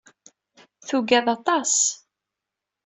Tugad aṭas.